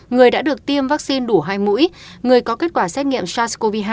người đã được tiêm vaccine đủ hai mũi người có kết quả xét nghiệm sars cov hai